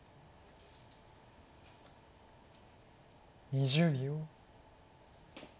２０秒。